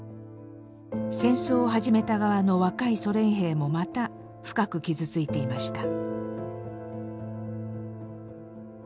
戦争を始めた側の若いソ連兵もまた深く傷ついていました。